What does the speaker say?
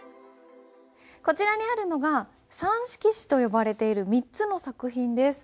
こちらにあるのが「三色紙」と呼ばれている３つの作品です。